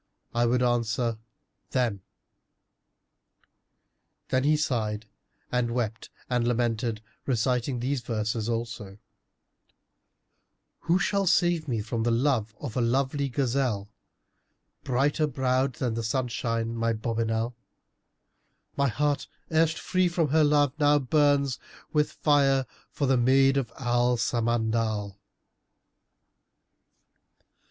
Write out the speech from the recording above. '—I would answer, 'Them.'" Then he sighed and wept and lamented, reciting these verses also, "Who shall save me from love of a lovely gazelle, * Brighter browed than the sunshine, my bonnibel! My heart, erst free from her love, now burns * With fire for the maid of Al Samandal."